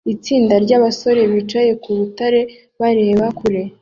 Itsinda ryabasore bicaye ku rutare bareba kure